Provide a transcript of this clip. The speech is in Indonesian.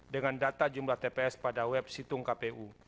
dengan data jumlah tps pada web situng kpu